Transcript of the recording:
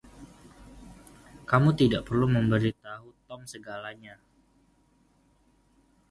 Kau tidak perlu memberi tahu Tom segalanya.